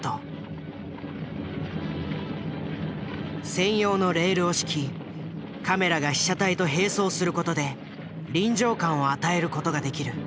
専用のレールを敷きカメラが被写体と並走する事で臨場感を与える事ができる。